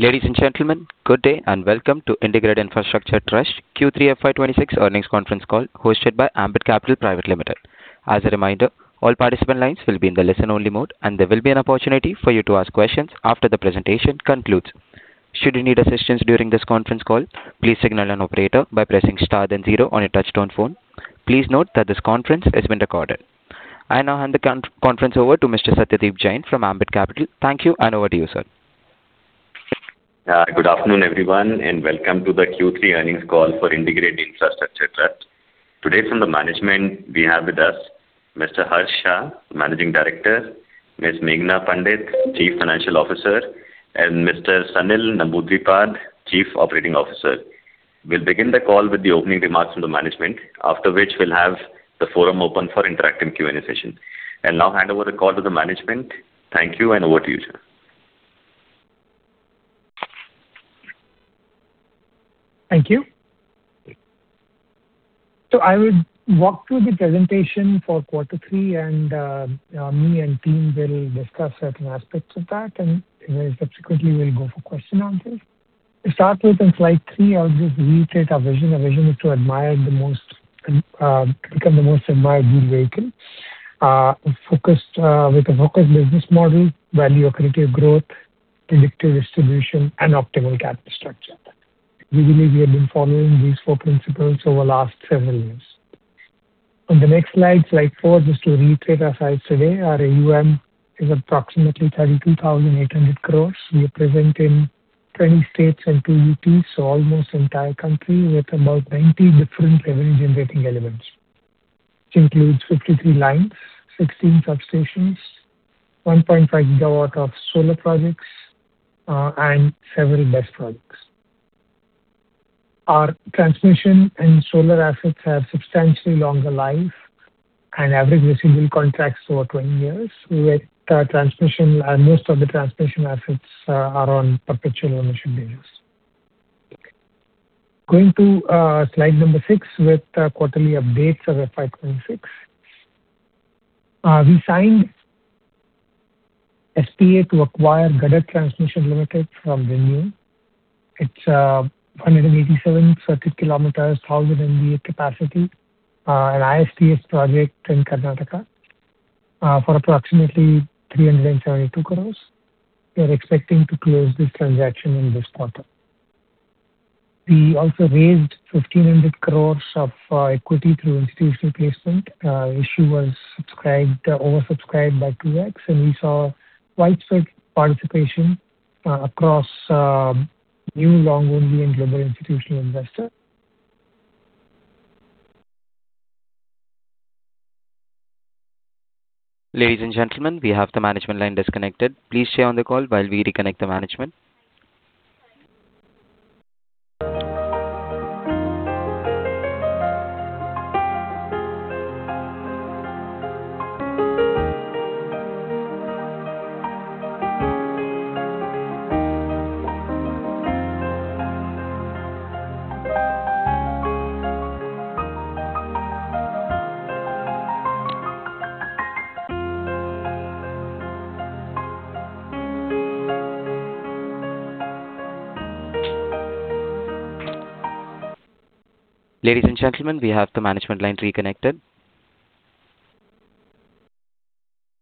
Ladies and gentlemen, good day, and welcome to IndiGrid Infrastructure Trust Q3 FY26 earnings conference call, hosted by Ambit Capital Private Limited. As a reminder, all participant lines will be in the listen-only mode, and there will be an opportunity for you to ask questions after the presentation concludes. Should you need assistance during this conference call, please signal an operator by pressing star then zero on your touchtone phone. Please note that this conference is being recorded. I now hand the conference over to Mr. Satyadeep Jain from Ambit Capital. Thank you, and over to you, sir. Good afternoon, everyone, and welcome to the Q3 earnings call for IndiGrid Infrastructure Trust. Today from the management, we have with us Mr. Harsh Shah, Managing Director, Ms. Meghana Pandit, Chief Financial Officer, and Mr. Sanil Namboodiripad, Chief Operating Officer. We'll begin the call with the opening remarks from the management, after which we'll have the forum open for interactive Q&A session. I'll now hand over the call to the management. Thank you, and over to you, sir. Thank you. I would walk through the presentation for quarter three, and me and team will discuss certain aspects of that, and then subsequently, we'll go for question answers. To start with, on slide three, I'll just reiterate our vision. Our vision is to admire the most, become the most admired utility vehicle. Focused, with a focused business model, value accretive growth, predictive distribution, and optimal capital structure. We believe we have been following these four principles over the last several years. On the next slide, slide four, just to reiterate our size today, our AUM is approximately 32,800 crore. We are present in 20 states and 2 UTs, so almost entire country, with about 90 different revenue-generating elements, which includes 53 lines, 16 substations, 1.5 GW of solar projects, and several BESS projects. Our transmission and solar assets have substantially longer life and average receivable contracts over 20 years, with transmission, and most of the transmission assets are on perpetual annuity basis. Going to slide number six with quarterly updates of FY 2026. We signed SPA to acquire Gadag Transmission Limited from ReNew. It's 187 circuit kilometers, 1,000 MVA capacity, an ISTS project in Karnataka, for approximately 332 crore. We are expecting to close this transaction in this quarter. We also raised 1,500 crore of equity through institutional placement. Issue was subscribed, oversubscribed by 2x, and we saw widespread participation across new, long-only, and global institutional investors. Ladies and gentlemen, we have the management line disconnected. Please stay on the call while we reconnect the management. Ladies and gentlemen, we have the management line reconnected.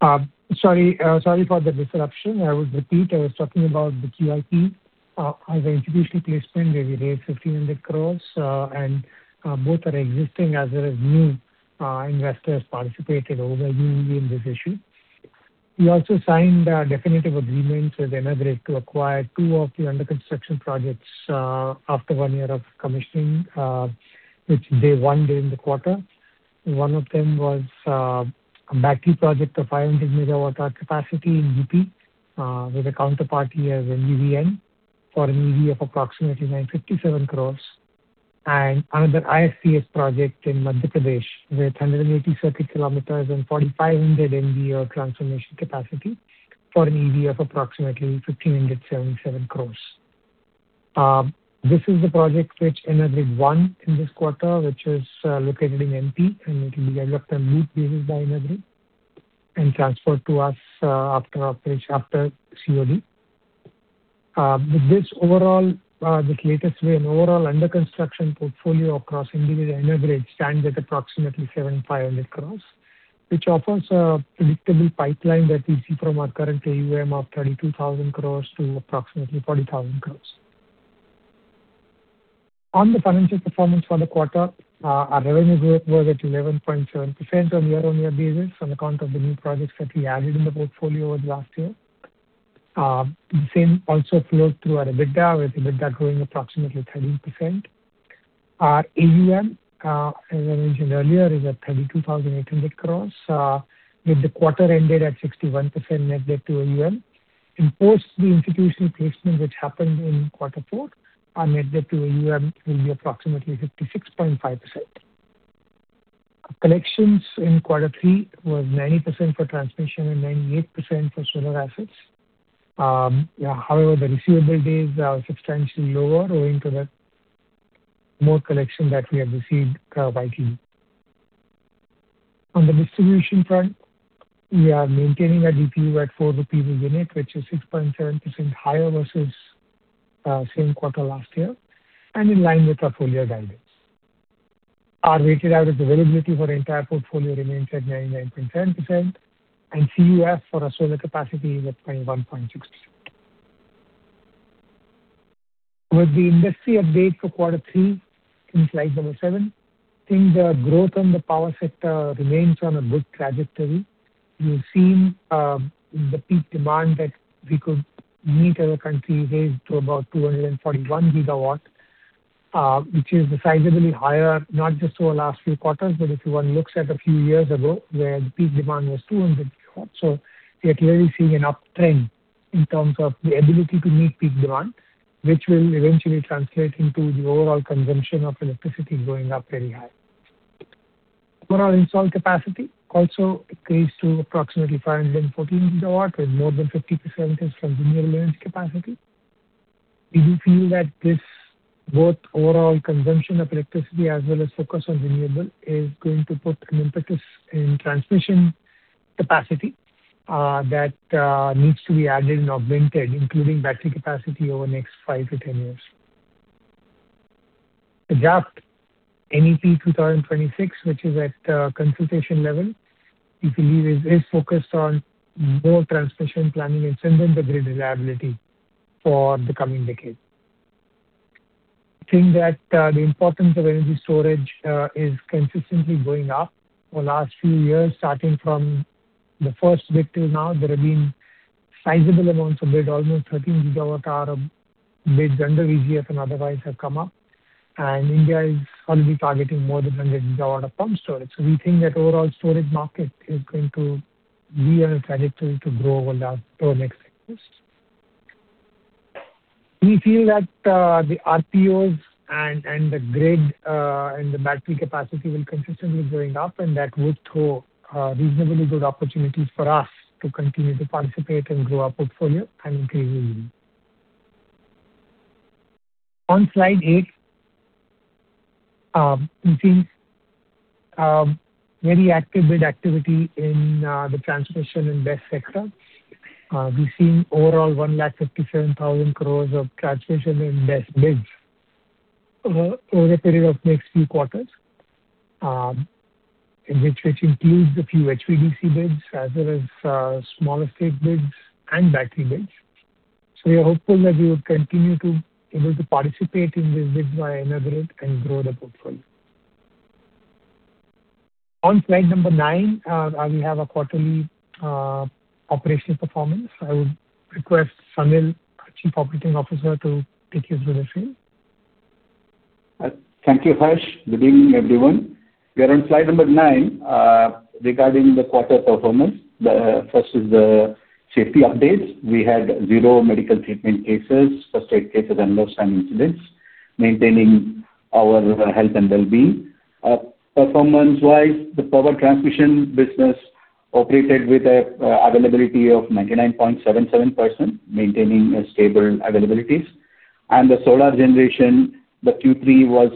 Sorry, sorry for the disruption. I will repeat. I was talking about the QIP as an institutional placement, where we raised 1,500 crore, and both our existing as well as new investors participated over newly in this issue. We also signed definitive agreements with EnerGrid to acquire two of the under construction projects after one year of commissioning, which they won during the quarter. One of them was a battery project of 500 megawatt hour capacity in UP with a counterparty as NVVN, for an EV of approximately 957 crore. And another ISTS project in Madhya Pradesh, with 180 circuit kilometers and 4,500 MVA transformation capacity for an EV of approximately 1,577 crore. This is the project which EnerGrid won in this quarter, which is located in MP, and it will be executed on lease basis by EnerGrid and transferred to us after operation, after COD. With this overall, the latest win, overall under construction portfolio across EnerGrid stands at approximately 7,500 crore, which offers a predictable pipeline that we see from our current AUM of 32,000 crore to approximately 40,000 crore. On the financial performance for the quarter, our revenue growth was at 11.7% on year-on-year basis on account of the new projects that we added in the portfolio over the last year. The same also flowed through our EBITDA, with EBITDA growing approximately 13%. Our AUM, as I mentioned earlier, is at 32,800 crore, with the quarter ended at 61% net debt to AUM. In post the institutional placement, which happened in Q4, our net debt to AUM will be approximately 56.5%. Collections in Q3 was 90% for transmission and 98% for solar assets. However, the receivable days are substantially lower, owing to the more collection that we have received, YTD. On the distribution front, we are maintaining our DPU at 4 rupees per unit, which is 6.7% higher versus same quarter last year, and in line with our full year guidance. Our weighted average availability for the entire portfolio remains at 99.7%, and CUF for our solar capacity is at 21.6%. With the industry update for quarter three, in slide number seven, I think the growth on the power sector remains on a good trajectory. We've seen the peak demand that we could meet as a country raised to about 241 GW, which is sizably higher, not just over the last few quarters, but if one looks at a few years ago, where the peak demand was 200 GW. So we are clearly seeing an uptrend in terms of the ability to meet peak demand, which will eventually translate into the overall consumption of electricity going up very high. Overall install capacity also increased to approximately 514 GW, with more than 50% is from renewable energy capacity. We do feel that this, both overall consumption of electricity as well as focus on renewable, is going to put an impetus in transmission capacity that needs to be added and augmented, including battery capacity, over the next 5-10 years. The draft NEP 2026, which is at consultation level, we believe is very focused on more transmission planning and strengthening the grid reliability for the coming decade. I think that the importance of energy storage is consistently going up. Over the last few years, starting from the first bid till now, there have been sizable amounts of grid, almost 13 GWh of bids under VGF and otherwise have come up, and India is going to be targeting more than 100 GW of pump storage. So we think that overall storage market is going to be on a trajectory to grow over the next years. We feel that the RPOs and the grid and the battery capacity will consistently going up, and that would throw reasonably good opportunities for us to continue to participate and grow our portfolio and increase revenue. On slide eight, we see very active bid activity in the transmission and BESS sector. We've seen overall 157,000 crore of transmission and BESS bids over a period of next few quarters, in which includes a few HVDC bids, as well as smaller state bids and battery bids. So we are hopeful that we will continue to be able to participate in these bids via EnerGrid and grow the portfolio. On slide number nine, we have a quarterly operation performance. I would request Sanil, our Chief Operating Officer, to take us through the same. Thank you, Harsh. Good evening, everyone. We are on slide number nine regarding the quarter performance. The first is the safety updates. We had zero medical treatment cases, first aid cases, and no time incidents, maintaining our health and well-being. Performance-wise, the power transmission business operated with a availability of 99.77%, maintaining a stable availabilities. And the solar generation, the Q3 was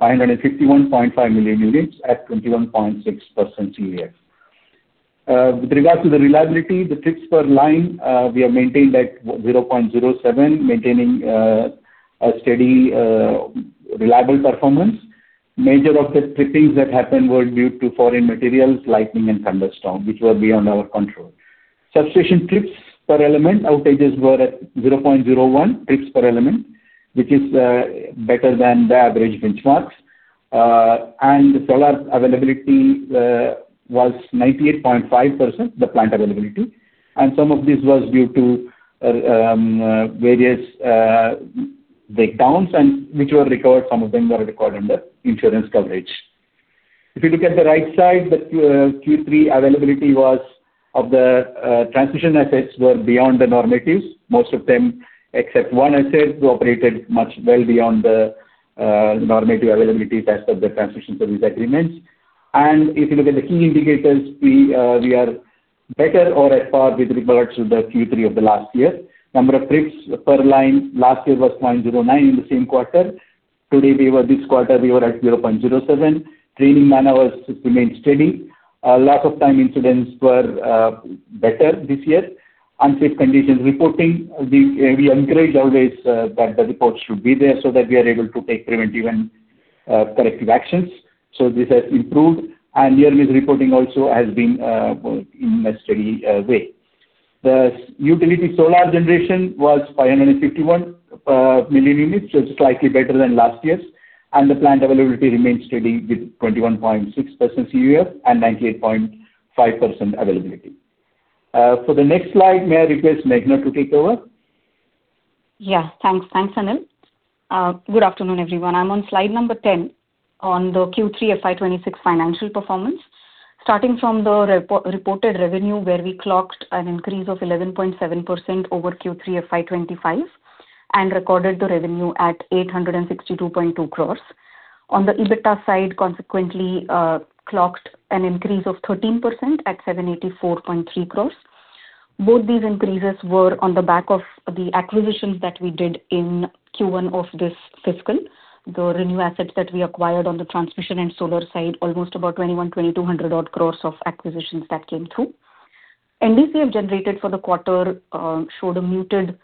551.5 million units at 21.6% CUF. With regards to the reliability, the trips per line, we have maintained at 0.07, maintaining a steady reliable performance. Majority of the trippings that happened were due to foreign materials, lightning and thunderstorm, which were beyond our control. Substation trips per element, outages were at 0.01 trips per element, which is better than the average benchmarks. And the solar availability was 98.5%, the plant availability. And some of this was due to various breakdowns and which were recovered. Some of them were recovered under insurance coverage. If you look at the right side, the Q3 availability was of the transmission assets were beyond the normatives. Most of them, except one asset, who operated much well beyond the normative availability as per the transmission service agreements. And if you look at the key indicators, we we are better or at par with regards to the Q3 of the last year. Number of trips per line last year was 0.09 in the same quarter. Today, this quarter, we were at 0.07. Training man-hours remains steady. Loss of time incidents were better this year. Unsafe conditions reporting, we encourage always that the reports should be there, so that we are able to take preventive and corrective actions. So this has improved. And near-miss reporting also has been in a steady way. The utility solar generation was 551 million units, so slightly better than last year's. And the plant availability remains steady with 21.6% CUF and 98.5% availability. For the next slide, may I request Meghana to take over? Yes. Thanks. Thanks, Sanil. Good afternoon, everyone. I'm on slide number 10 on the Q3 FY 2026 financial performance. Starting from the reported revenue, where we clocked an increase of 11.7% over Q3 of FY 2025, and recorded the revenue at 862.2 crore. On the EBITDA side, consequently, clocked an increase of 13% at 784.3 crore.... Both these increases were on the back of the acquisitions that we did in Q1 of this fiscal. The renewable assets that we acquired on the transmission and solar side, almost about 2,100-2,200 odd crore of acquisitions that came through. NDCF generated for the quarter showed a muted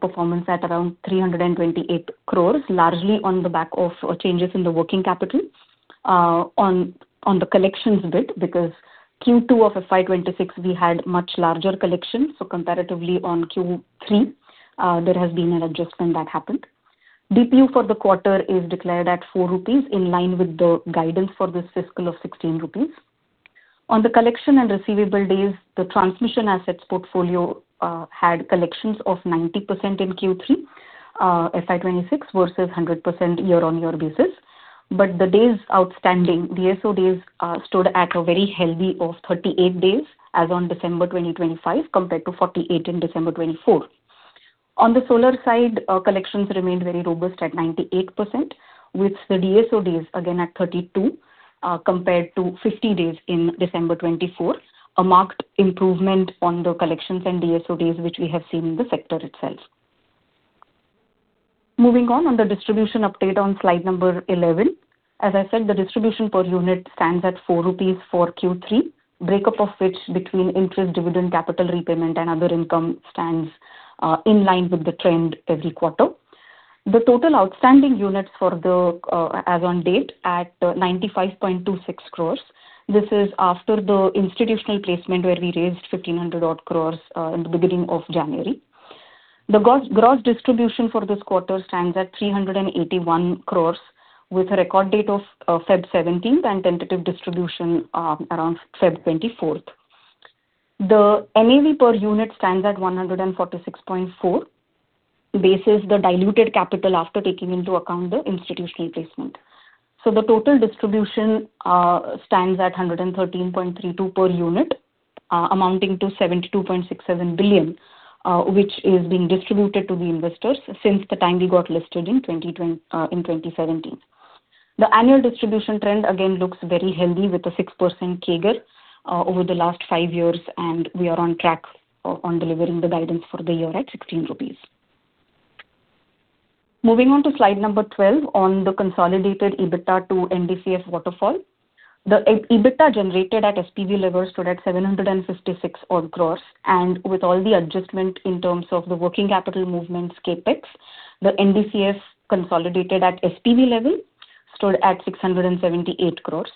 performance at around 328 crore, largely on the back of changes in the working capital, on the collections bit, because Q2 of FY 2026, we had much larger collections. So comparatively on Q3, there has been an adjustment that happened. DPU for the quarter is declared at 4 rupees, in line with the guidance for this fiscal of 16 rupees. On the collection and receivable days, the transmission assets portfolio had collections of 90% in Q3, FY 2026, versus 100% year-on-year basis. The days outstanding, DSO days, stood at a very healthy of 38 days as on December 2025, compared to 48 in December 2024. On the solar side, collections remained very robust at 98%, with the DSO days again at 32, compared to 50 days in December 2024. A marked improvement on the collections and DSO days, which we have seen in the sector itself. Moving on, on the distribution update on slide number 11. As I said, the distribution per unit stands at 4 rupees for Q3. Breakup of which between interest, dividend, capital repayment, and other income stands, in line with the trend every quarter. The total outstanding units for the, as on date at 95.26 crore. This is after the institutional placement, where we raised 1,500-odd crore in the beginning of January. The gross distribution for this quarter stands at 381 crore, with a record date of February seventeenth and tentative distribution around February twenty-fourth. The NAV per unit stands at 146.4. Basis the diluted capital after taking into account the institutional placement. So the total distribution stands at 113.32 per unit, amounting to 72.67 billion, which is being distributed to the investors since the time we got listed in 2017. The annual distribution trend again looks very healthy, with a 6% CAGR over the last five years, and we are on track on delivering the guidance for the year at 16 rupees. Moving on to slide number 12, on the consolidated EBITDA to NDCF waterfall. The EBITDA generated at SPV level stood at 756 odd crore, and with all the adjustment in terms of the working capital movements CapEx, the NDCF consolidated at SPV level stood at 678 crore.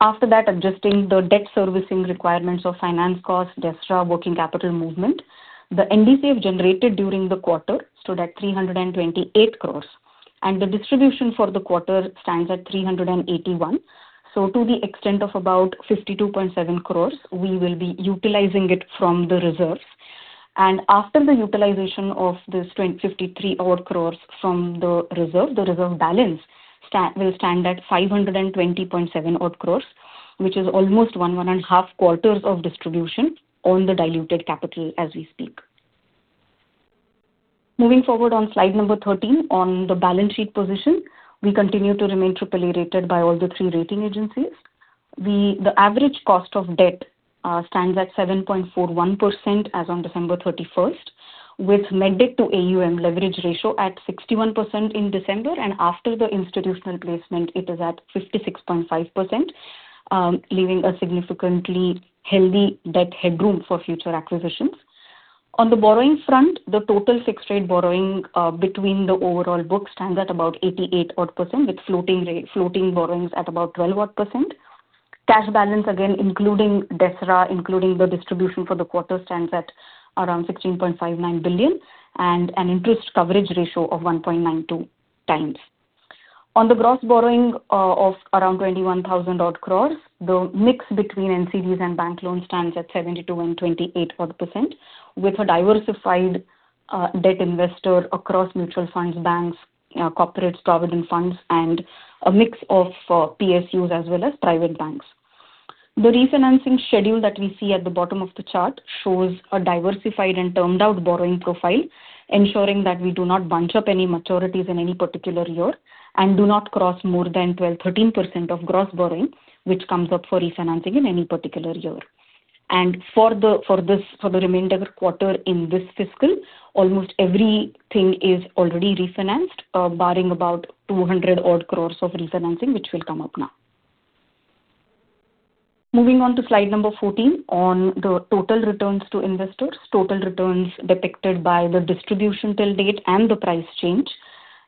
After that, adjusting the debt servicing requirements of finance costs, DSRA working capital movement, the NDCF generated during the quarter stood at 328 crore, and the distribution for the quarter stands at 381 crore. To the extent of about 52.7 crore, we will be utilizing it from the reserves. After the utilization of this 253 odd crore from the reserve, the reserve balance will stand at 520.7 odd crore, which is almost 1, 1 and a half quarters of distribution on the diluted capital as we speak. Moving forward on slide number 13, on the balance sheet position, we continue to remain AAA rated by all three rating agencies. The average cost of debt stands at 7.41% as on December 31st, with net debt to AUM leverage ratio at 61% in December, and after the institutional placement, it is at 56.5%, leaving a significantly healthy debt headroom for future acquisitions. On the borrowing front, the total fixed rate borrowing between the overall book stands at about 88% odd, with floating borrowings at about 12% odd. Cash balance, again, including DSRA, including the distribution for the quarter, stands at around 16.59 billion and an interest coverage ratio of 1.92x. On the gross borrowing of around 21,000 odd crore, the mix between NCDs and bank loans stands at 72% and 28%, with a diversified debt investor across mutual funds, banks, corporates, provident funds, and a mix of PSUs as well as private banks. The refinancing schedule that we see at the bottom of the chart shows a diversified and termed out borrowing profile, ensuring that we do not bunch up any maturities in any particular year, and do not cross more than 12%-13% of gross borrowings, which comes up for refinancing in any particular year. For the remainder quarter in this fiscal, almost everything is already refinanced, barring about 200 odd crore of refinancing, which will come up now. Moving on to slide number 14, on the total returns to investors. Total returns depicted by the distribution till date and the price change.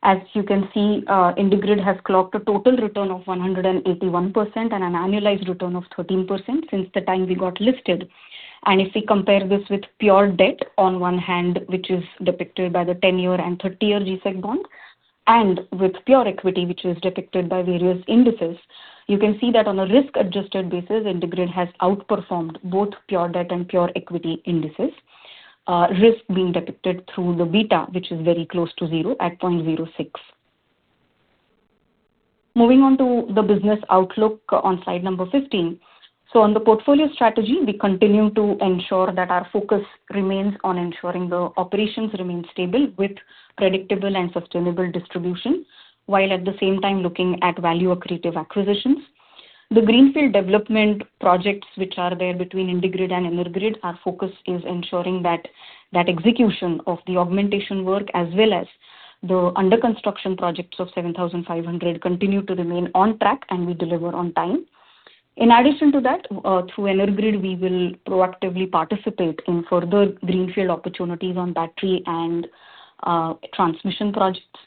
As you can see, IndiGrid has clocked a total return of 181% and an annualized return of 13% since the time we got listed. If we compare this with pure debt on one hand, which is depicted by the 10-year and 30-year G-Sec bond, and with pure equity, which is depicted by various indices, you can see that on a risk-adjusted basis, IndiGrid has outperformed both pure debt and pure equity indices. Risk being depicted through the beta, which is very close to zero at 0.06. Moving on to the business outlook on slide number 15. So on the portfolio strategy, we continue to ensure that our focus remains on ensuring the operations remain stable with predictable and sustainable distribution, while at the same time looking at value accretive acquisitions. The greenfield development projects which are there between IndiGrid and EnerGrid, our focus is ensuring that execution of the augmentation work, as well as the under construction projects of 7,500 continue to remain on track and we deliver on time. In addition to that, through EnerGrid, we will proactively participate in further greenfield opportunities on battery and transmission projects.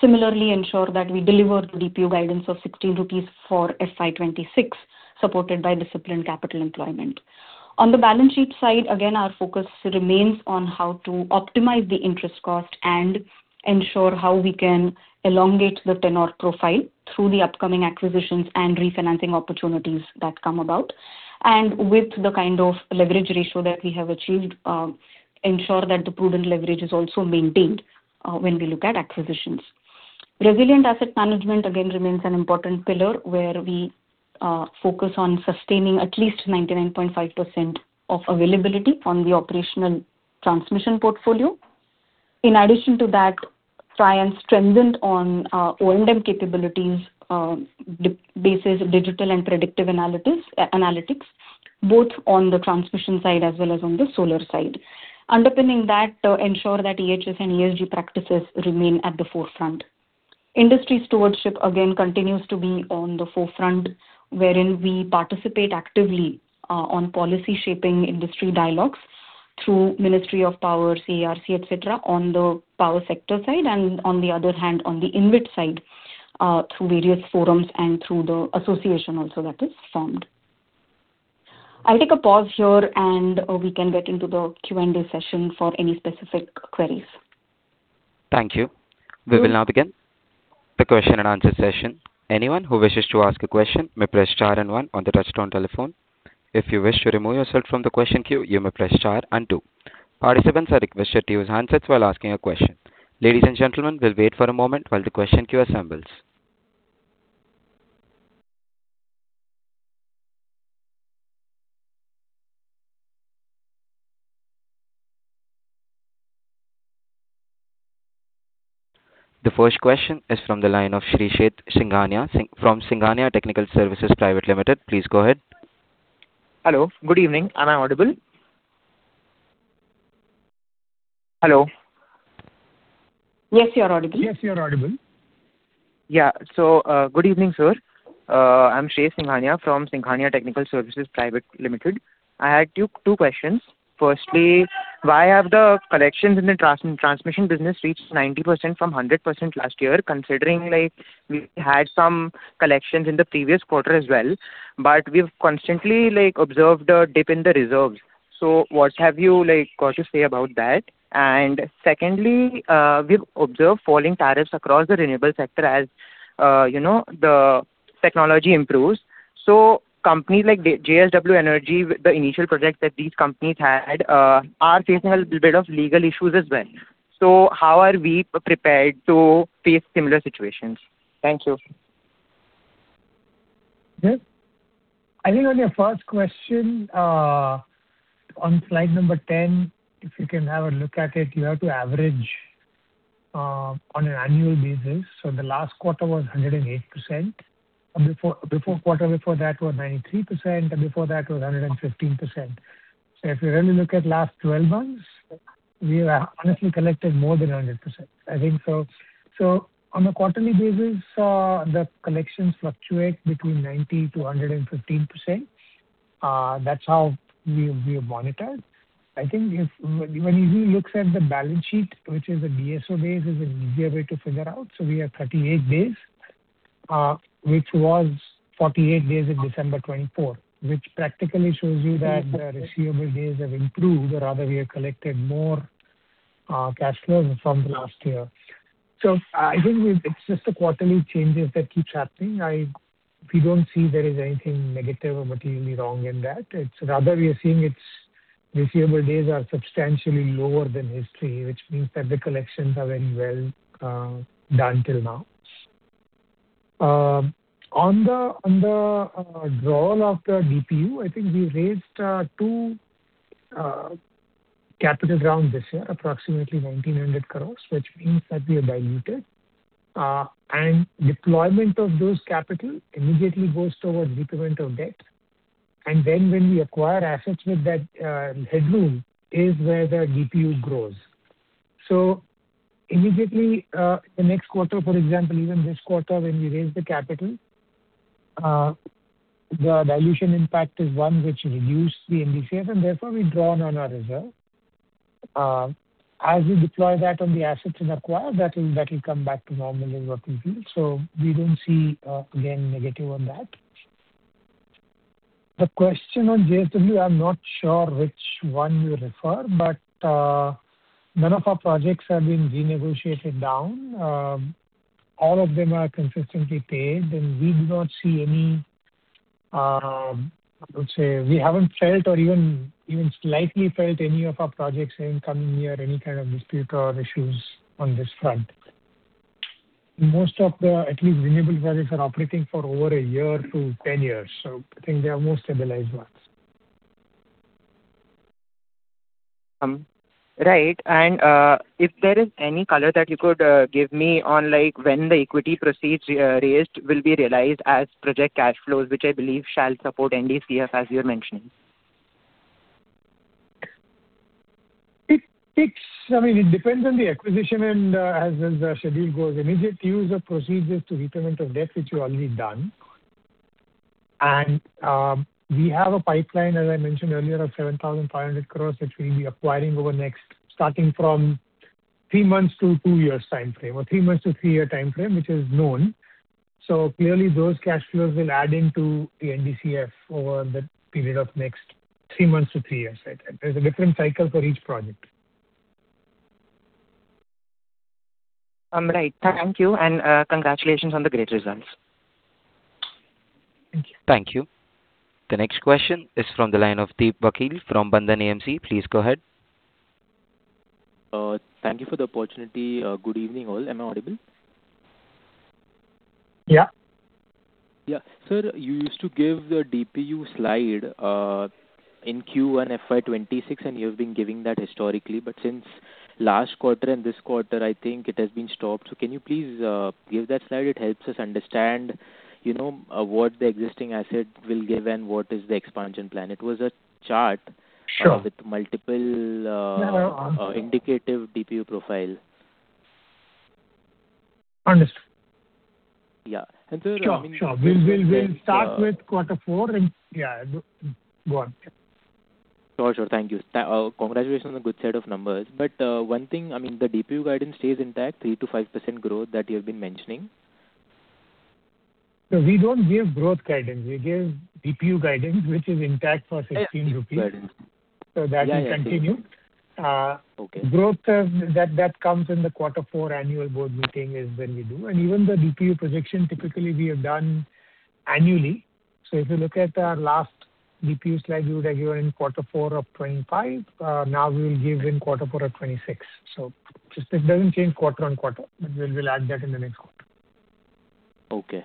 Similarly, ensure that we deliver the DPU guidance of 16 rupees for FY 2026, supported by disciplined capital employment. On the balance sheet side, again, our focus remains on how to optimize the interest cost and ensure how we can elongate the tenor profile through the upcoming acquisitions and refinancing opportunities that come about. And with the kind of leverage ratio that we have achieved, ensure that the proven leverage is also maintained when we look at acquisitions. Resilient asset management, again, remains an important pillar, where we focus on sustaining at least 99.5% availability on the operational transmission portfolio. In addition to that, try and strengthen on O&M capabilities basis digital and predictive analytics, both on the transmission side as well as on the solar side. Underpinning that, ensure that EHS and ESG practices remain at the forefront. Industry stewardship again continues to be on the forefront, wherein we participate actively, on policy shaping industry dialogues through Ministry of Power, CERC, et cetera, on the power sector side, and on the other hand, on the InvIT side, through various forums and through the association also that is formed. I'll take a pause here, and, we can get into the Q&A session for any specific queries. Thank you. Please. We will now begin the question and answer session. Anyone who wishes to ask a question may press star and one on the touchtone telephone. If you wish to remove yourself from the question queue, you may press star and two. Participants are requested to use handsets while asking a question. Ladies and gentlemen, we'll wait for a moment while the question queue assembles. The first question is from the line of Shrey Singhania from Singhania Technical Services Private Limited. Please go ahead. Hello. Good evening. Am I audible? Hello. Yes, you are audible. Yes, you are audible. Yeah. So, good evening, sir. I'm Shrey Singhania from Singhania Technical Services Private Limited. I had two, two questions. Firstly, why have the collections in the transmission business reached 90% from 100% last year? Considering, like, we had some collections in the previous quarter as well, but we've constantly, like, observed a dip in the reserves. So what have you, like, got to say about that? And secondly, we've observed falling tariffs across the renewable sector as, you know, the technology improves. So companies like JSW Energy, with the initial projects that these companies had, are facing a little bit of legal issues as well. So how are we prepared to face similar situations? Thank you. Yes. I think on your first question, on slide number 10, if you can have a look at it, you have to average on an annual basis. So the last quarter was 108%, and before, the quarter before that was 93%, and before that was 115%. So if you only look at last 12 months, we have honestly collected more than 100%. I think so. So on a quarterly basis, the collections fluctuate between 90%-115%. That's how we, we have monitored. I think if, when, when he looks at the balance sheet, which is a DSO basis, is an easier way to figure out. So we have 38 days, which was 48 days in December 2024, which practically shows you that the receivable days have improved, or rather, we have collected more cash flows from the last year. So I think it's just the quarterly changes that keep happening. We don't see there is anything negative or materially wrong in that. It's rather, we are seeing it's receivable days are substantially lower than history, which means that the collections are very well done till now. On the draw of the DPU, I think we raised two capital rounds this year, approximately 1,900 crore, which means that we are diluted. And deployment of those capital immediately goes towards repayment of debt. And then when we acquire assets with that headroom, is where the DPU grows. So immediately, the next quarter, for example, even this quarter when we raised the capital, the dilution impact is one which reduced the NDCF, and therefore, we've drawn on our reserve. As we deploy that on the assets and acquire, that will, that will come back to normal is what we feel. So we don't see, again, negative on that. The question on JSW, I'm not sure which one you refer, but, none of our projects have been renegotiated down. All of them are consistently paid, and we do not see any, I would say we haven't felt or even, even slightly felt any of our projects coming near any kind of dispute or issues on this front. Most of the, at least, renewable projects are operating for over a year to 10 years, so I think they are more stabilized ones.... Right. And, if there is any color that you could give me on, like, when the equity proceeds raised will be realized as project cash flows, which I believe shall support NDCF, as you're mentioning. It’s, I mean, it depends on the acquisition and as the schedule goes, immediate use of proceeds to repayment of debt, which we’ve already done. And we have a pipeline, as I mentioned earlier, of 7,500 crore, which we’ll be acquiring over the next—starting from three months to two years timeframe, or three months to three year timeframe, which is known. So clearly, those cash flows will add into the NDCF over the period of next three months to three years. There’s a different cycle for each project. Right. Thank you, and congratulations on the great results. Thank you. Thank you. The next question is from the line of Deep Vakil from Bandhan AMC. Please go ahead. Thank you for the opportunity. Good evening, all. Am I audible? Yeah. Yeah. Sir, you used to give the DPU slide in Q1 FY 2026, and you've been giving that historically, but since last quarter and this quarter, I think it has been stopped. So can you please give that slide? It helps us understand, you know, what the existing asset will give and what is the expansion plan. It was a chart- Sure. -with multiple, indicative DPU profile. Understood. Yeah. Sure. We'll start with quarter four and, yeah, go on. Sure, sure. Thank you. Congratulations on the good set of numbers. But, one thing, I mean, the DPU guidance stays intact, 3%-5% growth that you've been mentioning? We don't give growth guidance. We give DPU guidance, which is intact for 16. Right. So that will continue. Yeah, yeah. Okay. Growth, that comes in the quarter four annual board meeting is when we do, and even the DPU projection, typically we have done annually. So if you look at our last DPU slide, we would have given in quarter four of 2025. Now we will give in quarter four of 2026. So just, it doesn't change quarter on quarter, but we'll add that in the next quarter. Okay.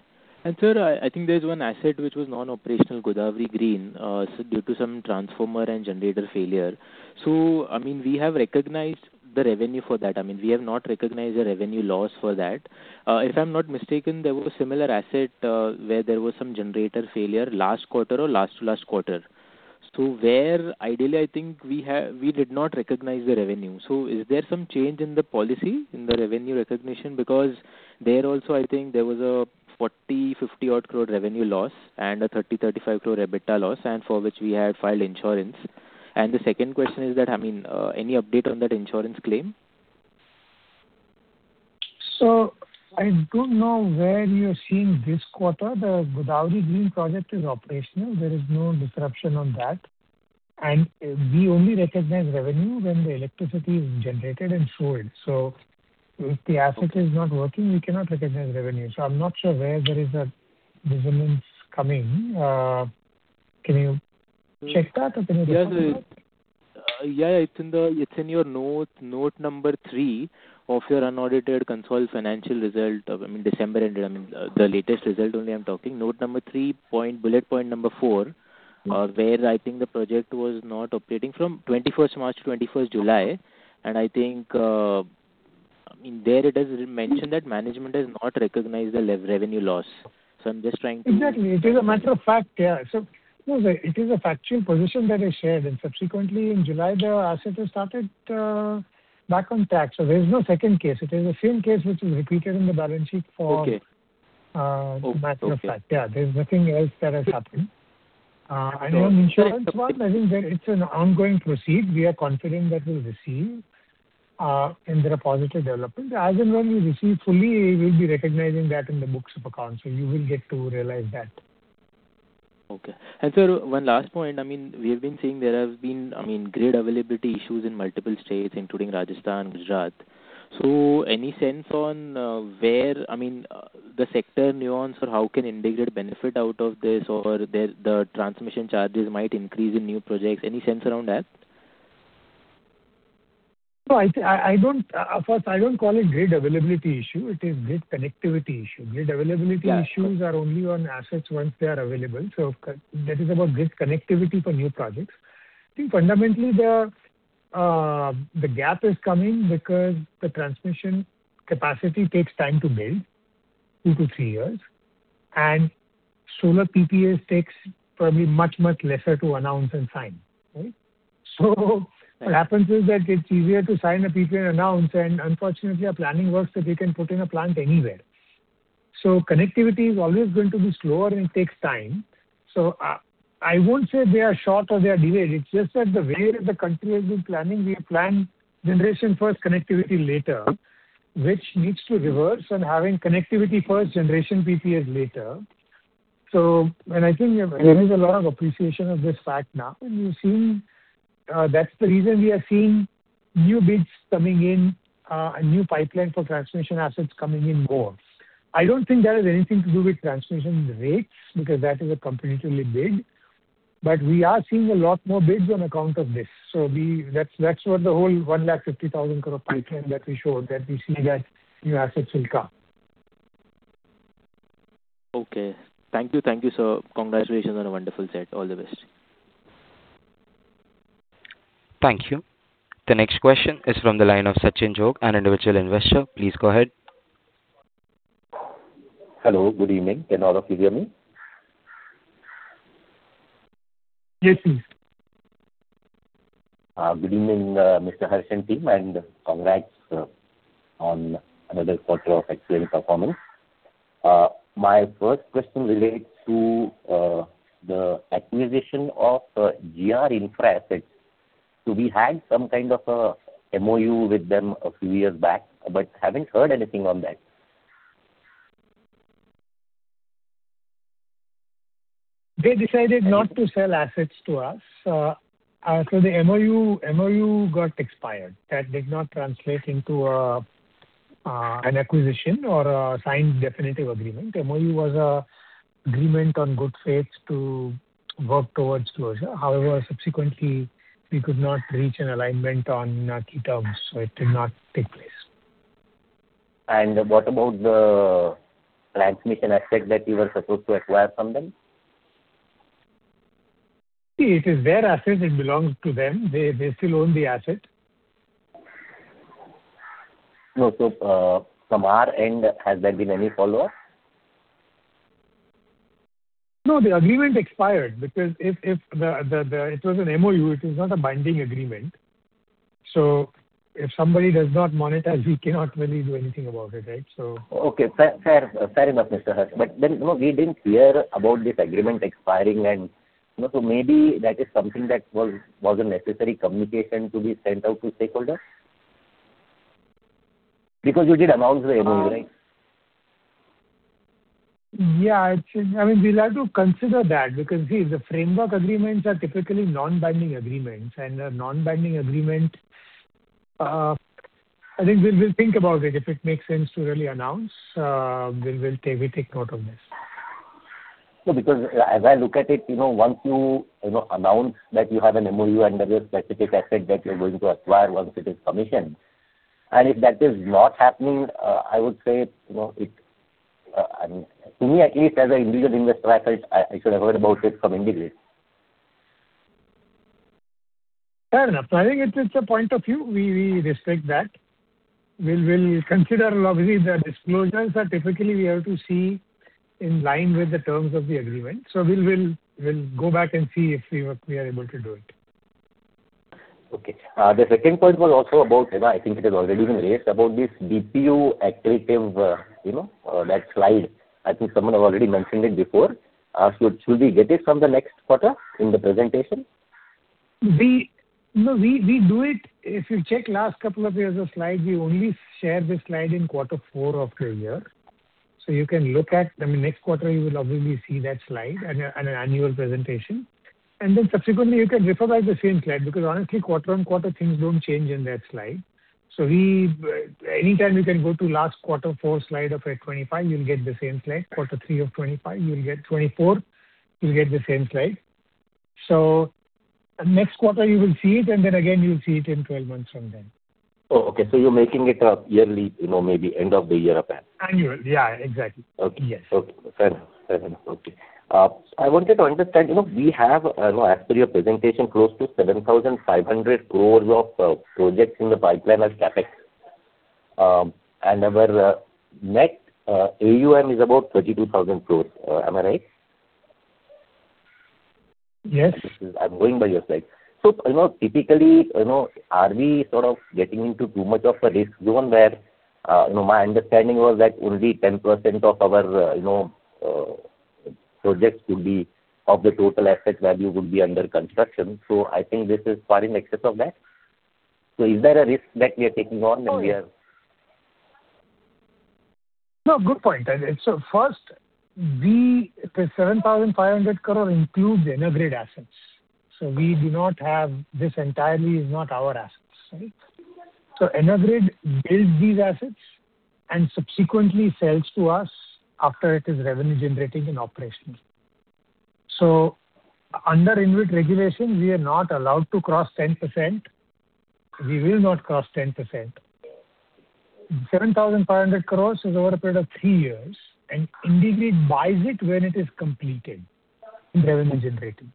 Sir, I think there's one asset which was non-operational, Godawari Green, so due to some transformer and generator failure. So I mean, we have recognized the revenue for that. I mean, we have not recognized the revenue loss for that. If I'm not mistaken, there was a similar asset, where there was some generator failure last quarter or last to last quarter. So where ideally, I think we did not recognize the revenue. So is there some change in the policy, in the revenue recognition? Because there also, I think there was a 40-50 odd crore revenue loss and a 30-35 crore EBITDA loss, and for which we had filed insurance. And the second question is that, I mean, any update on that insurance claim? So I don't know where you're seeing this quarter. The Godawari Green project is operational. There is no disruption on that, and we only recognize revenue when the electricity is generated and sold. So if the asset is not working, we cannot recognize revenue. So I'm not sure where there is a dissonance coming. Can you check that or can you look at that? Yeah, yeah, it's in the, it's in your note, note number three of your unaudited consolidated financial result of, I mean, December ended, I mean, the latest result only I'm talking. Note number three, point, bullet point number four, where I think the project was not operating from twenty-first March to twenty-first July. And I think, I mean, there it is mentioned that management has not recognized the revenue loss. So I'm just trying to- Exactly. It is a matter of fact, yeah. So, no, it is a factual position that is shared, and subsequently in July, the asset has started back on track. So there is no second case. It is the same case which is repeated in the balance sheet for- Okay. Matter of fact. Okay. Yeah, there's nothing else that has happened. On the insurance one, I think that it's an ongoing process. We are confident that we'll receive, and there are positive developments. As and when we receive fully, we'll be recognizing that in the books of accounts, so you will get to realize that. Okay. And sir, one last point, I mean, we've been seeing there have been, I mean, grid availability issues in multiple states, including Rajasthan, Gujarat. So any sense on, where, I mean, the sector nuance or how can IndiGrid benefit out of this, or the, the transmission charges might increase in new projects? Any sense around that? No, I see... First, I don't call it grid availability issue. It is grid connectivity issue. Yeah. Grid availability issues are only on assets once they are available, so that is about grid connectivity for new projects. I think fundamentally the gap is coming because the transmission capacity takes time to build, 2-3 years, and solar PPAs takes probably much, much lesser to announce and sign. Right? So what happens is that it's easier to sign a PPA and announce, and unfortunately, our planning works that we can put in a plant anywhere. So connectivity is always going to be slower and takes time. So, I won't say they are short or they are delayed. It's just that the way the country has been planning, we plan generation first, connectivity later, which needs to reverse and having connectivity first, generation PPAs later. So, and I think there is a lot of appreciation of this fact now, and you're seeing, that's the reason we are seeing new bids coming in, and new pipeline for transmission assets coming in more. I don't think that has anything to do with transmission rates, because that is a competitively bid, but we are seeing a lot more bids on account of this. So that's, that's what the whole 150,000 crore pipeline that we showed, that we see that new assets will come. Okay. Thank you. Thank you, sir. Congratulations on a wonderful set. All the best. Thank you. The next question is from the line of Sachin Jog, an individual investor. Please go ahead. Hello, good evening. Can all of you hear me? Yes, please. Good evening, Mr. Harsh and team, and congrats on another quarter of excellent performance. My first question relates to the acquisition of GR Infra assets. So we had some kind of a MOU with them a few years back, but haven't heard anything on that. They decided not to sell assets to us. So the MOU got expired. That did not translate into a an acquisition or a signed definitive agreement. MOU was a agreement on good faith to work towards closure. However, subsequently, we could not reach an alignment on key terms, so it did not take place. What about the transmission asset that you were supposed to acquire from them? See, it is their asset, it belongs to them. They, they still own the asset. No, so, from our end, has there been any follow-up? No, the agreement expired because it was an MOU, it is not a binding agreement. So if somebody does not monetize, we cannot really do anything about it, right? So- Okay, fair, fair, fair enough, Mr. Harsh. But then, you know, we didn't hear about this agreement expiring and... You know, so maybe that is something that was a necessary communication to be sent out to stakeholders. Because you did announce the MOU, right? Yeah, it should... I mean, we'll have to consider that, because, see, the framework agreements are typically non-binding agreements, and a non-binding agreement, I think we'll think about it. If it makes sense to really announce, we will take note of this. No, because as I look at it, you know, once you, you know, announce that you have an MOU under a specific asset that you're going to acquire once it is commissioned, and if that is not happening, I would say, you know, it, I mean, to me, at least as an individual investor, I felt I should have heard about it from IndiGrid. Fair enough. I think it is a point of view. We respect that. We'll consider. Obviously, the disclosures are typically we have to see in line with the terms of the agreement. So we'll go back and see if we are able to do it. Okay. The second point was also about, you know, I think it has already been raised, about this DPU accretive, you know, that slide. I think someone have already mentioned it before. So should we get it from the next quarter in the presentation? No, we do it. If you check last couple of years of slide, we only share this slide in quarter four of a year. So you can look at, I mean, next quarter you will obviously see that slide and an annual presentation. And then subsequently, you can refer by the same slide, because honestly, quarter on quarter, things don't change in that slide. So we, anytime you can go to last quarter four slide of at 2025, you'll get the same slide. Quarter three of 2025, you'll get 2024, you'll get the same slide. So next quarter you will see it, and then again you'll see it in 12 months from then. Oh, okay. So you're making it a yearly, you know, maybe end of the year affair. Annual. Yeah, exactly. Okay. Yes. Okay. Fair enough. Fair enough. Okay. I wanted to understand, you know, we have, you know, as per your presentation, close to 7,500 crore of projects in the pipeline as CapEx. Our net AUM is about 32,000 crore. Am I right? Yes. I'm going by your slide. So, you know, typically, you know, are we sort of getting into too much of a risk zone where, you know, my understanding was that only 10% of our, you know, projects could be, of the total asset value would be under construction. So I think this is far in excess of that. So is there a risk that we are taking on and we are- No, good point. So first, we, the 7,500 crore includes EnerGrid assets, so we do not have... This entirely is not our assets, right? So EnerGrid builds these assets and subsequently sells to us after it is revenue generating and operational. So under InvIT regulation, we are not allowed to cross 10%. We will not cross 10%. 7,500 crore is over a period of three years, and IndiGrid buys it when it is completed and revenue generating.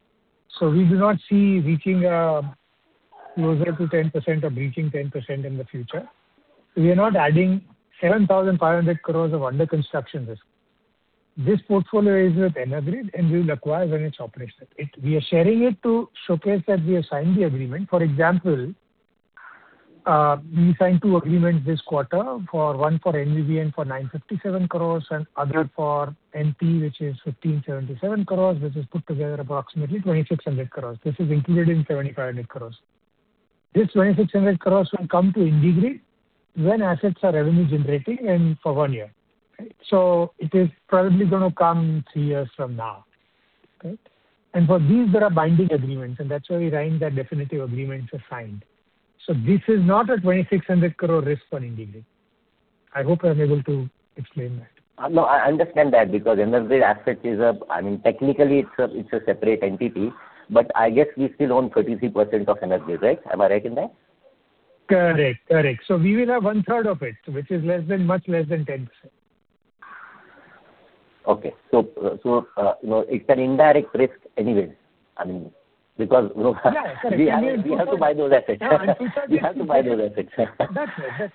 So we do not see reaching closer to 10% or breaching 10% in the future. We are not adding 7,500 crore of under construction risk. This portfolio is with EnerGrid, and we will acquire when it's operational. We are sharing it to showcase that we have signed the agreement. For example, we signed two agreements this quarter for, 1 for NVVN for 957 crore and other for NP, which is 1,577 crore, which is put together approximately 2,600 crore. This is included in 7,500 crore. This 2,600 crore will come to IndiGrid when assets are revenue generating and for 1 year, right? So it is probably gonna come 3 years from now. Okay? And for these, there are binding agreements, and that's why we signed that definitive agreements are signed. So this is not a 2,600 crore risk for IndiGrid. I hope I'm able to explain that. No, I understand that, because EnerGrid asset is a, I mean, technically, it's a, it's a separate entity, but I guess we still own 33% of EnerGrid, right? Am I right in that?... Correct, correct. So we will have 1/3 of it, which is less than, much less than 10%. Okay. So, you know, it's an indirect risk anyway. I mean, because, you know, Yeah, correct. We have to buy those assets. Yeah. We have to buy those assets. That's right. That's right.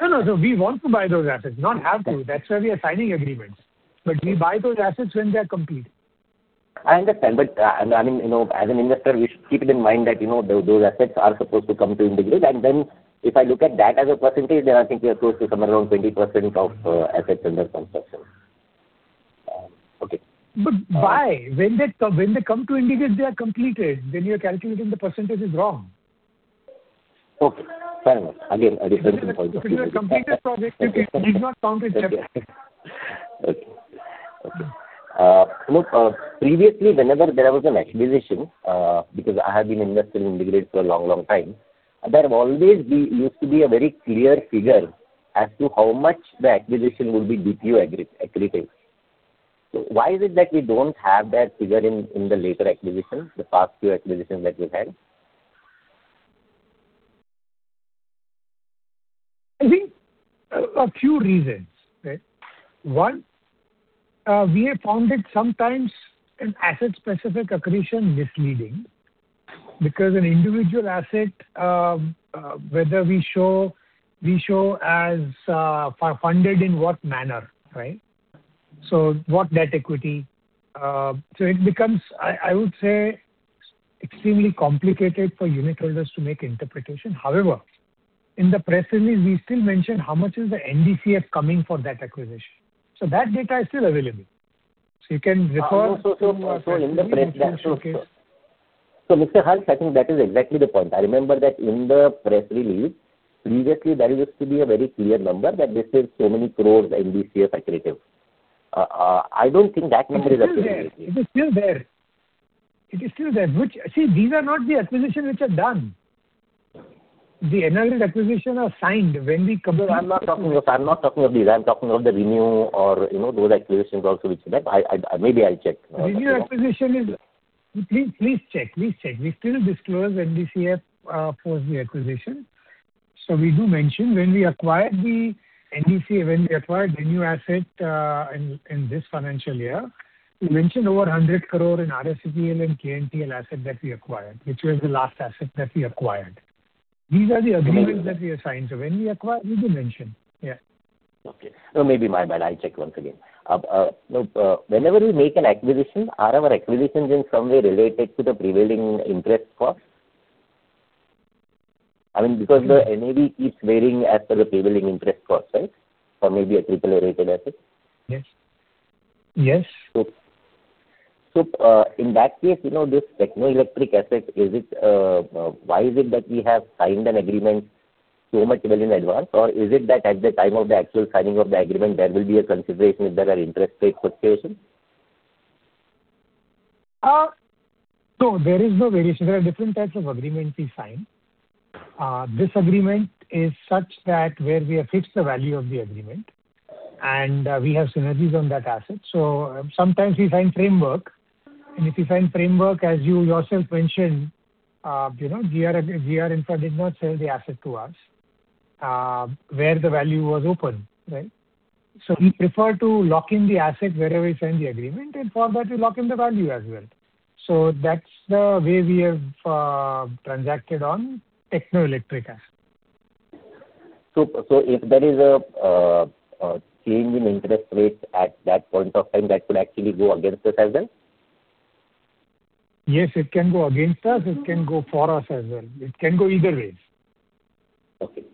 No, no, so we want to buy those assets, not have to. That's why we are signing agreements. But we buy those assets when they are complete. I understand. But, I mean, you know, as an investor, we should keep it in mind that, you know, those, those assets are supposed to come to IndiGrid, and then if I look at that as a percentage, then I think we are close to somewhere around 20% of, assets under construction. Okay. But why? When they come to IndiGrid, they are completed, then you're calculating the percentage is wrong. Okay, fair enough. Again, I didn't- If you have completed project, it does not count with IndiGrid. Okay. Okay. Look, previously, whenever there was an acquisition, because I have been invested in IndiGrid for a long, long time, there always used to be a very clear figure as to how much the acquisition will be DPU accretive. So why is it that we don't have that figure in the later acquisitions, the past few acquisitions that we've had? I think a few reasons, right? One, we have found it sometimes an asset-specific accretion misleading, because an individual asset, whether we show, we show as funded in what manner, right? So what net equity? So it becomes, I would say, extremely complicated for unitholders to make interpretation. However, in the press release, we still mention how much is the NDCF coming for that acquisition. So that data is still available. So you can refer to- So in the press release, sure. So, Mr. Harsh, I think that is exactly the point. I remember that in the press release, previously, there used to be a very clear number that this is so many crores NDCF accretive. I don't think that number is accurate. It's still there. It is still there. It is still there. Which— See, these are not the acquisitions which are done. The announced acquisition are signed when we complete- No, I'm not talking of... I'm not talking of these. I'm talking of the ReNew or, you know, those acquisitions also which are left. I, I, maybe I'll check. ReNew acquisition is... Please, please check. Please check. We still disclose NDCF for the acquisition. So we do mention. When we acquired the NDC, when we acquired the new asset, in, in this financial year, we mentioned over 100 crore in RSTCPL and KNTL asset that we acquired, which was the last asset that we acquired. These are the agreements that we have signed. So when we acquire, we do mention. Yeah. Okay. So maybe my bad, I'll check once again. Whenever we make an acquisition, are our acquisitions in some way related to the prevailing interest costs? I mean, because the NAV keeps varying as per the prevailing interest costs, right? Or maybe a triple-A rated asset. Yes. Yes. So, in that case, you know, this Techno Electric asset, is it why is it that we have signed an agreement so much well in advance? Or is it that at the time of the actual signing of the agreement, there will be a consideration if there are interest rate fluctuations? So there is no variation. There are different types of agreements we sign. This agreement is such that where we have fixed the value of the agreement, and we have synergies on that asset. So sometimes we sign framework, and if you sign framework, as you yourself mentioned, you know, GR, GR Infra did not sell the asset to us, where the value was open, right? So we prefer to lock in the asset wherever we sign the agreement, and for that, we lock in the value as well. So that's the way we have transacted on Techno Electric asset. So, if there is a change in interest rates at that point of time, that could actually go against us as well? Yes, it can go against us. It can go for us as well. It can go either ways. Okay.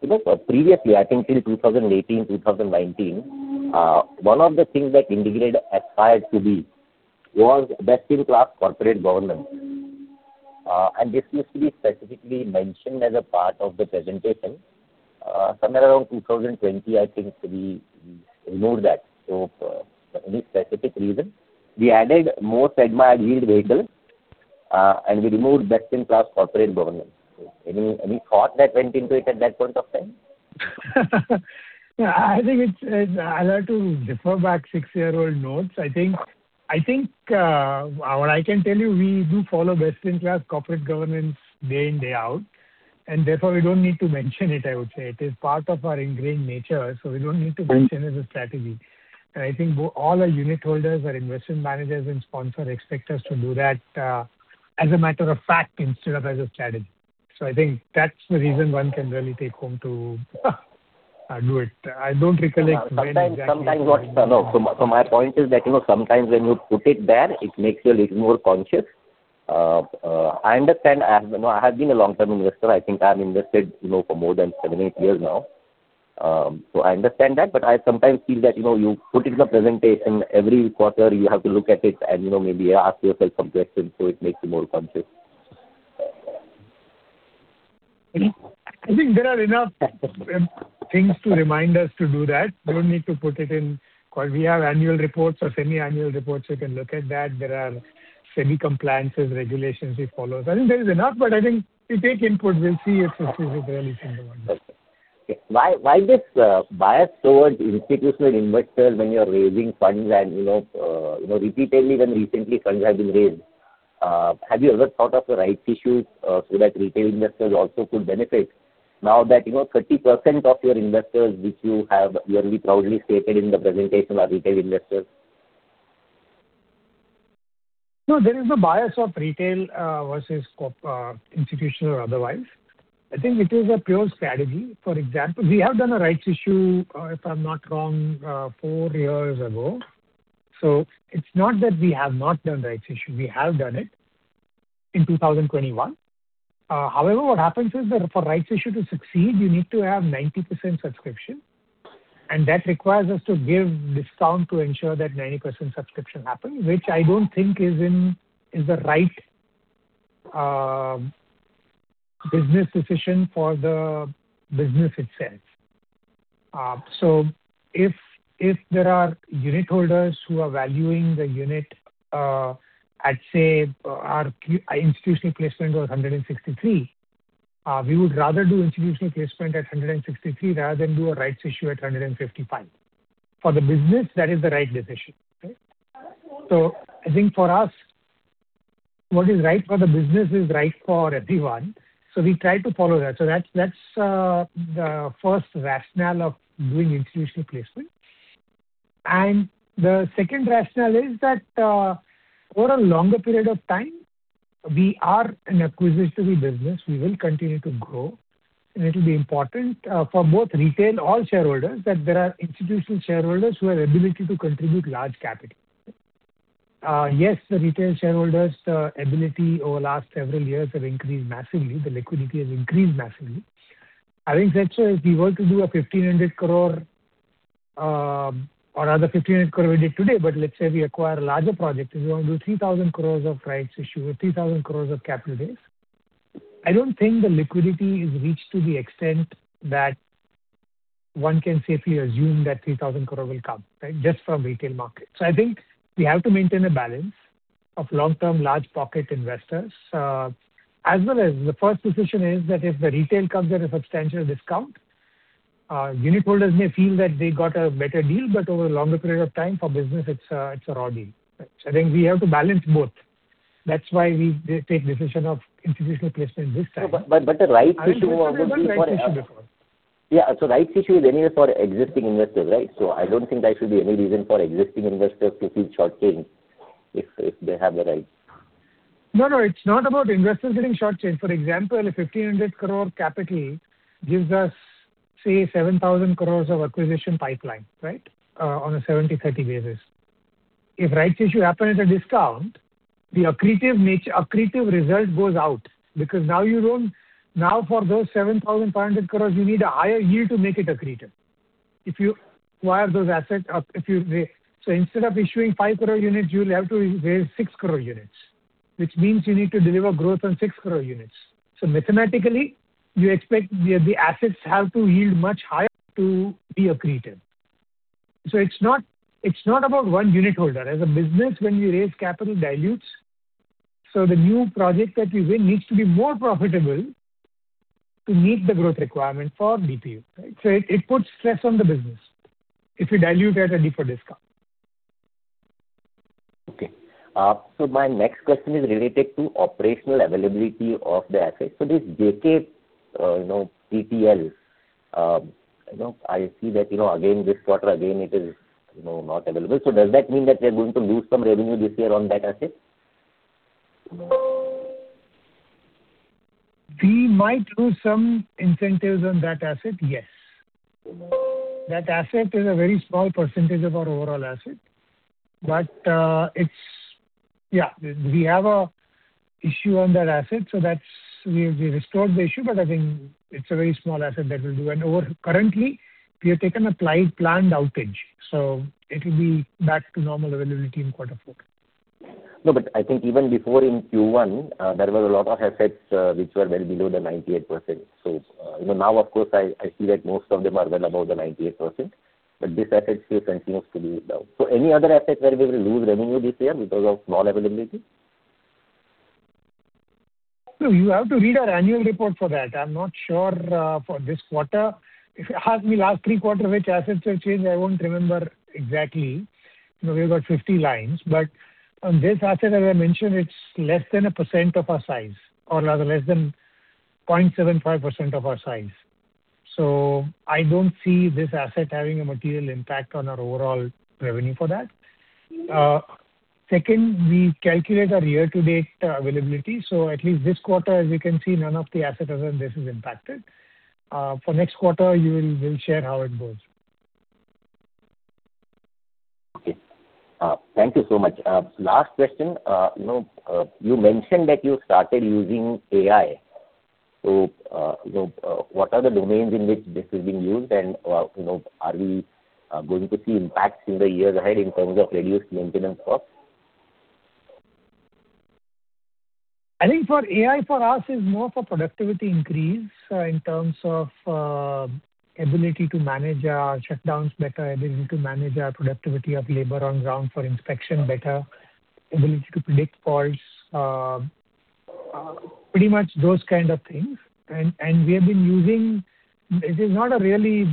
You know, previously, I think till 2018, 2019, one of the things that IndiGrid aspired to be was best-in-class corporate governance. This used to be specifically mentioned as a part of the presentation. Somewhere around 2020, I think we, we ignored that. So, any specific reason? We added multi-segment yield vehicle, and we removed best-in-class corporate governance. So any, any thought that went into it at that point of time? I think it's... I'll have to refer back six-year-old notes. I think what I can tell you, we do follow best-in-class corporate governance day in, day out, and therefore, we don't need to mention it, I would say. It is part of our ingrained nature, so we don't need to mention it as a strategy. And I think all our unitholders, our investment managers, and sponsor expect us to do that as a matter of fact instead of as a strategy. So I think that's the reason one can really take home to do it. I don't recollect when exactly- So, so my point is that, you know, sometimes when you put it there, it makes you a little more conscious. I understand. I have, you know, I have been a long-term investor. I think I'm invested, you know, for more than 7-8 years now. So I understand that, but I sometimes feel that, you know, you put it in the presentation, every quarter you have to look at it and, you know, maybe ask yourself some questions, so it makes you more conscious. I think there are enough things to remind us to do that. You don't need to put it in... Because we have annual reports or semi-annual reports, you can look at that. There are semi-compliances, regulations we follow. I think there is enough, but I think we take input, we'll see if this is really kind of one.... Okay, why, why this bias towards institutional investors when you're raising funds and, you know, you know, repeatedly when recently funds have been raised? Have you ever thought of a rights issue, so that retail investors also could benefit now that, you know, 30% of your investors, which you have really proudly stated in the presentation, are retail investors? No, there is no bias of retail versus corp institutional or otherwise. I think it is a pure strategy. For example, we have done a rights issue, if I'm not wrong, 4 years ago. So it's not that we have not done rights issue. We have done it in 2021. However, what happens is that for rights issue to succeed, you need to have 90% subscription, and that requires us to give discount to ensure that 90% subscription happens, which I don't think is the right business decision for the business itself. So if, if there are unit holders who are valuing the unit at, say, our institutional placement was 163, we would rather do institutional placement at 163 rather than do a rights issue at 155. For the business, that is the right decision. Okay? So I think for us, what is right for the business is right for everyone, so we try to follow that. So that's the first rationale of doing institutional placement. And the second rationale is that, over a longer period of time, we are an acquisitive business. We will continue to grow, and it'll be important for both retail, all shareholders, that there are institutional shareholders who have ability to contribute large capital. Yes, the retail shareholders ability over last several years have increased massively. The liquidity has increased massively. I think that's why if we were to do a 1,500 crore, or rather 1,500 crore we did today, but let's say we acquire a larger project, if we want to do 3,000 crore of rights issue or 3,000 crore of capital raise, I don't think the liquidity is reached to the extent that one can safely assume that 3,000 crore will come, right, just from retail market. So I think we have to maintain a balance of long-term, large-pocket investors, as well as the first decision is that if the retail comes at a substantial discount, unit holders may feel that they got a better deal, but over a longer period of time, for business, it's a, it's a raw deal, right? So I think we have to balance both. That's why we take decision of institutional placement this time. But the right issue would be for- We've done rights issue before. Yeah. So rights issue is anyway for existing investors, right? So I don't think that should be any reason for existing investors to feel short-changed if they have the right. No, no, it's not about investors getting short-changed. For example, a 1,500 crore capital gives us, say, 7,000 crore of acquisition pipeline, right, on a 70-30 basis. If rights issue happen at a discount, the accretive nature, accretive result goes out because now you don't... Now for those 7,500 crore, you need a higher yield to make it accretive. If you acquire those assets, so instead of issuing 5 crore units, you'll have to raise 6 crore units, which means you need to deliver growth on 6 crore units. So mathematically, you expect the, the assets have to yield much higher to be accretive. So it's not, it's not about one unit holder. As a business, when you raise capital dilutes, so the new project that you win needs to be more profitable to meet the growth requirement for DPU, right? So it puts stress on the business if you dilute at a deeper discount. Okay. So my next question is related to operational availability of the asset. So this JK, you know, TPL, you know, I see that, you know, again, this quarter, again, it is, you know, not available. So does that mean that we are going to lose some revenue this year on that asset? We might lose some incentives on that asset, yes. That asset is a very small percentage of our overall asset, but it's... Yeah, we have a issue on that asset, so that's we restored the issue, but I think it's a very small asset that we do. And over currently, we have taken applied planned outage, so it'll be back to normal availability in quarter four. No, but I think even before in Q1, there were a lot of assets, which were well below the 98%. So, you know, now, of course, I see that most of them are well above the 98%, but this asset still continues to be low. So any other asset where we will lose revenue this year because of low availability? No, you have to read our annual report for that. I'm not sure for this quarter. If you ask me last 3 quarters, which assets have changed, I won't remember exactly. You know, we've got 50 lines, but on this asset, as I mentioned, it's less than 1% of our size, or rather, less than 0.75% of our size. So I don't see this asset having a material impact on our overall revenue for that. Second, we calculate our year-to-date availability, so at least this quarter, as you can see, none of the asset as of this is impacted. For next quarter, we'll share how it goes. Okay. Thank you so much. Last question. You know, you mentioned that you started using AI. So, you know, what are the domains in which this is being used? And, you know, are we going to see impacts in the years ahead in terms of reduced maintenance costs? I think for AI, for us, is more for productivity increase, in terms of, ability to manage our shutdowns better, ability to manage our productivity of labor on ground for inspection better, ability to predict faults, pretty much those kind of things. And, and we have been using—this is not a really,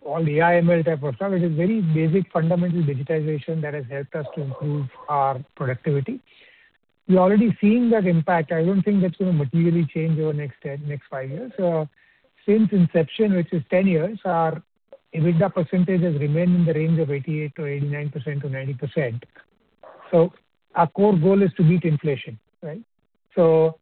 all AI/ML type of stuff. It is very basic fundamental digitization that has helped us to improve our productivity. We're already seeing that impact. I don't think that's going to materially change over the next 10, next 5 years. So since inception, which is 10 years, our EBITDA percentage has remained in the range of 88%-89% to 90%. So our core goal is to beat inflation, right? So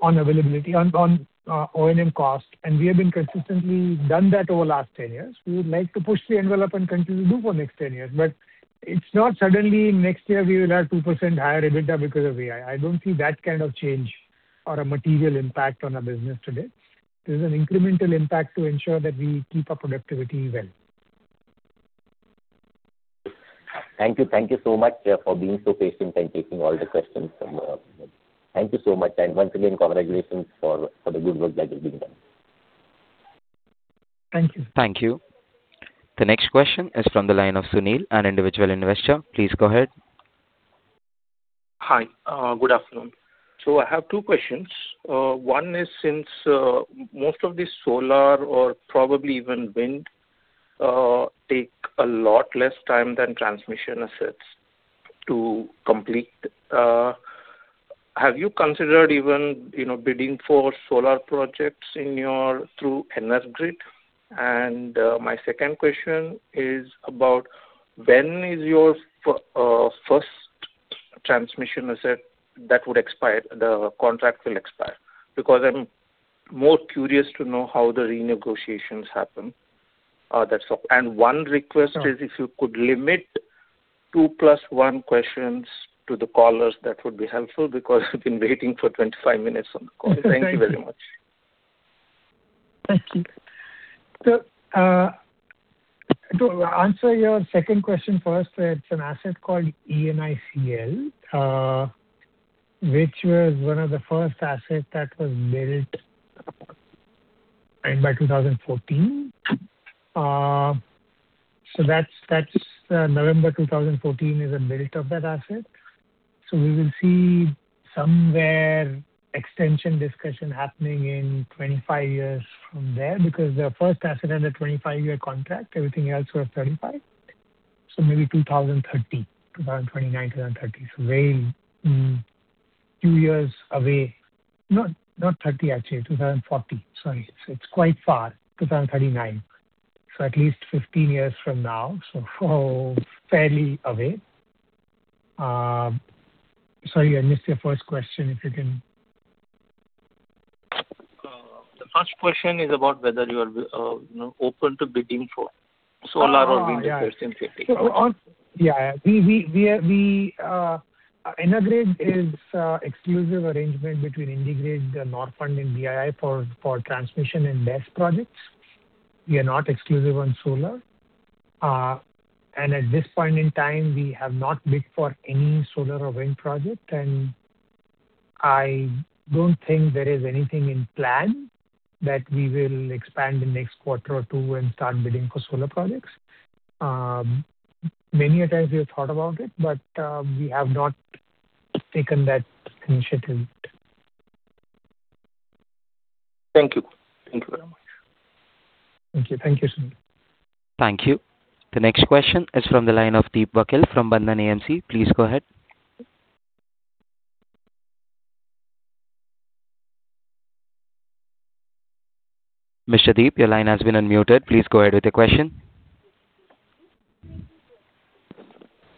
on availability, on, on, O&M cost, and we have been consistently done that over the last 10 years. We would like to push the envelope and continue to do for the next 10 years, but it's not suddenly next year we will have 2% higher EBITDA because of AI. I don't see that kind of change or a material impact on our business today. There's an incremental impact to ensure that we keep our productivity well. Thank you. Thank you so much for being so patient and taking all the questions from... Thank you so much, and once again, congratulations for the good work that is being done. Thank you. Thank you. The next question is from the line of Sunil, an individual investor. Please go ahead. Hi. Good afternoon. So I have two questions. One is, since most of these solar or probably even wind take a lot less time than transmission assets to complete, have you considered even, you know, bidding for solar projects in your through EnerGrid? And my second question is about when is your first transmission asset that would expire, the contract will expire? Because I'm more curious to know how the renegotiations happen. That's all. And one request is, if you could limit two plus one questions to the callers, that would be helpful, because I've been waiting for 25 minutes on the call. Thank you. Thank you very much. Thank you. So, to answer your second question first, it's an asset called ENICL, which was one of the first assets that was built in by 2014. So that's, that's, November 2014 is the build of that asset. So we will see somewhere extension discussion happening in 25 years from there, because the first asset had a 25-year contract. Everything else was 35. So maybe 2030, 2029, 2030. So very, 2 years away. Not, not 30, actually, 2040. Sorry. So it's quite far, 2039. So at least 15 years from now. So fairly away. Sorry, I missed your first question, if you can... The first question is about whether you are, you know, open to bidding for solar or wind in 50. Yeah. We EnerGrid is a exclusive arrangement between IndiGrid, Norfund, and BII for transmission and BESS projects. We are not exclusive on solar. At this point in time, we have not bid for any solar or wind project, and I don't think there is anything in plan that we will expand in the next quarter or two and start bidding for solar projects. Many a times we have thought about it, but we have not taken that initiative. Thank you. Thank you very much. Thank you. Thank you, Sanil. Thank you. The next question is from the line of Deep Vakil from Bandhan AMC. Please go ahead. Mr. Deep, your line has been unmuted. Please go ahead with your question.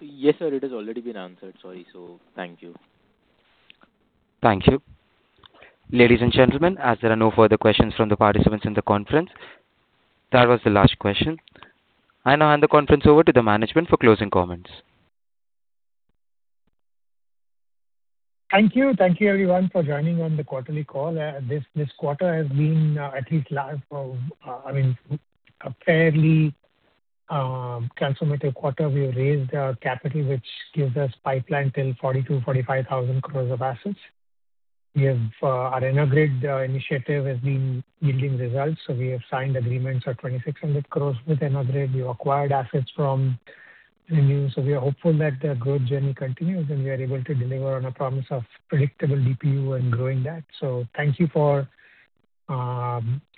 Yes, sir, it has already been answered. Sorry. So thank you. Thank you. Ladies and gentlemen, as there are no further questions from the participants in the conference, that was the last question. I now hand the conference over to the management for closing comments. Thank you. Thank you everyone for joining on the quarterly call. This quarter has been at least last of, I mean, a fairly transformative quarter. We raised our capital, which gives us pipeline till 42,000-45,000 crore of assets. We have our EnerGrid initiative has been yielding results, so we have signed agreements of 2,600 crore with EnerGrid. We acquired assets from ReNew, so we are hopeful that the growth journey continues, and we are able to deliver on our promise of predictable DPU and growing that. So thank you for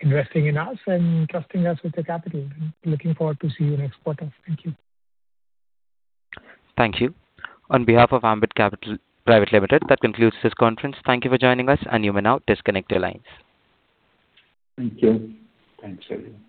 investing in us and trusting us with the capital. Looking forward to see you next quarter. Thank you. Thank you. On behalf of Ambit Capital Private Limited, that concludes this conference. Thank you for joining us, and you may now disconnect your lines. Thank you. Thanks, everyone.